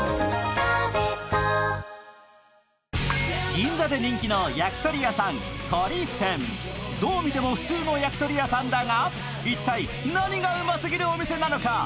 銀座で人気の焼き鳥屋さん・鳥泉どう見ても普通の焼き鳥屋さんだが一体何がうますぎるお店なのか。